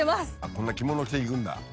こんな着物着ていくんだ。